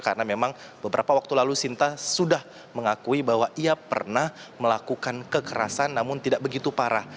karena memang beberapa waktu lalu sinta sudah mengakui bahwa ia pernah melakukan kekerasan namun tidak begitu parah